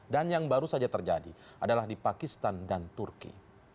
dan yang baru saja terjadi adalah di pakistan dan turki